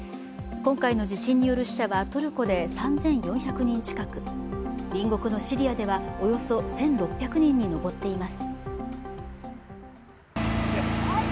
今回の地震による死者はトルコで３４００人近く、隣国のシリアではおよそ１６００人に上っています。